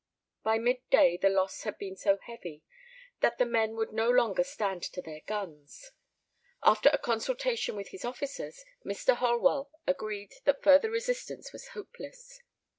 By mid day the loss had been so heavy that the men would no longer stand to their guns. After a consultation with his officers Mr. Holwell agreed that further resistance was hopeless.